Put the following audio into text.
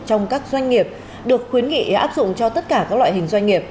trong các doanh nghiệp được khuyến nghị áp dụng cho tất cả các loại hình doanh nghiệp